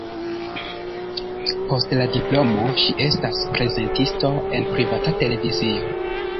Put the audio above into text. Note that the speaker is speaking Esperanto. Post la diplomo ŝi estas prezentisto en privata televizio.